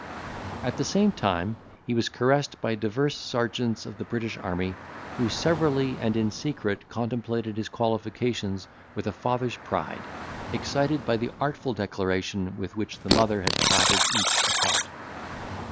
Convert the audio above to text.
At the same time, he was caressed by divers serjeants of the British army, who severally and in secret contemplated his qualifications with a father's pride, excited by the artful declaration with which the mother had flattered each apart.